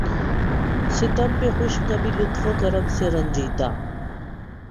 ستم پہ خوش کبھی لطف و کرم سے رنجیدہ